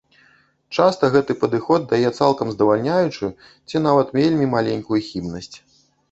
Часта гэты падыход дае цалкам здавальняючую ці нават вельмі маленькую хібнасць.